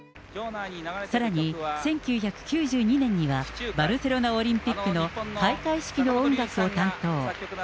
さらに、１９９２年には、バルセロナオリンピックの開会式の音楽を担当。